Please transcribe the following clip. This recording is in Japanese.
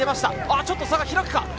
ちょっと差が開くか。